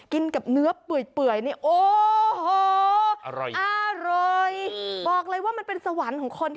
กินกับเนื้อเปื่อยเนี่ยโอ้โห